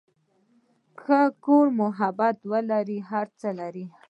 که کور محبت ولري، هر څه لري.